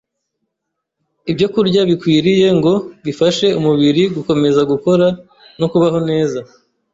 ibyokurya bikwiriye ngo bifashe umubiri gukomeza gukora, no kubaho neza.